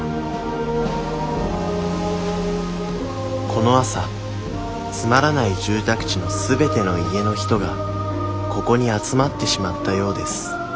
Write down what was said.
この朝つまらない住宅地のすべての家の人がここに集まってしまったようです